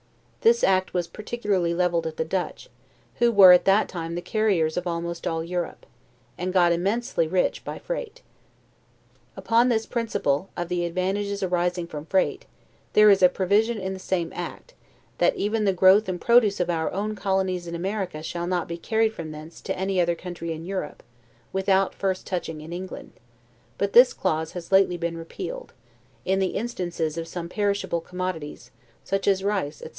This act was particularly leveled at the Dutch, who were at that time the carriers of almost all Europe, and got immensely by freight. Upon this principle, of the advantages arising from freight, there is a provision in the same act, that even the growth and produce of our own colonies in America shall not be carried from thence to any other country in Europe, without first touching in England; but this clause has lately been repealed, in the instances of some perishable commodities, such as rice, etc.